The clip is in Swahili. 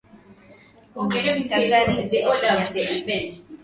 ini ni ukweli kwamba you cant be sure